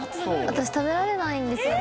私食べられないんですよ